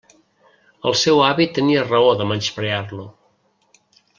El seu avi tenia raó de menysprear-lo.